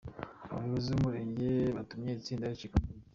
Abayobozi b’Umurenge batumye itsinda ricikamo ibice.